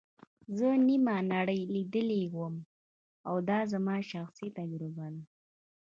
زه نیمه نړۍ لیدلې وم او دا زما شخصي تجربه ده.